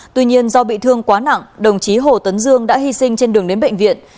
tuy nhiên do bị thương quá nặng đồng chí hồ tấn dương đã hy sinh trên đường đến bệnh viện